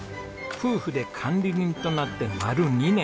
夫婦で管理人となって丸２年。